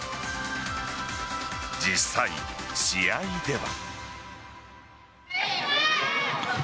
実際、試合では。